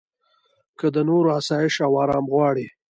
که د نورو اسایش او ارام غواړې.